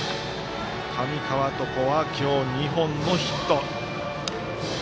上川床は今日２本のヒット。